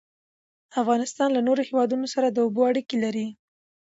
افغانستان له نورو هیوادونو سره د اوبو اړیکې لري.